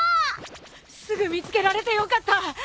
すぐ見つけられてよかった！